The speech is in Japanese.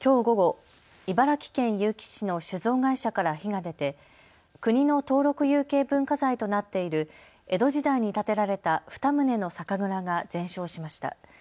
きょう午後、茨城県結城市の酒造会社から火が出て国の登録有形文化財となっている江戸時代に建てられた２棟の酒蔵が全焼しました。